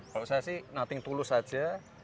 kalau saya sih nothing tulus aja